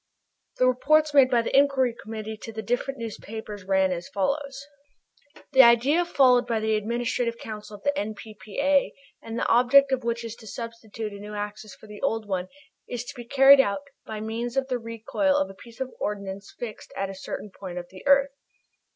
The reports made by the Inquiry Committee to the different newspapers ran as follows: "The idea followed by the Administrative Council of the N.P.P.A. and the object of which is to substitute a new axis for the old one is to be carried out by means of the recoil of a piece of ordnance fixed at a certain point of the earth.